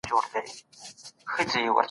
راځئ چي د علم په لاره کي ګام پورته کړو.